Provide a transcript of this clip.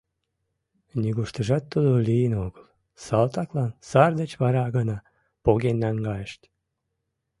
Нигуштыжат тудо лийын огыл, салтаклан сар деч вара гына поген наҥгайышт.